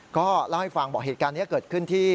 ก็เล่าให้ฟังบอกเหตุการณ์นี้เกิดขึ้นที่